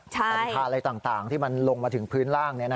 สันธารอะไรต่างที่มันลงมาถึงพื้นล่าง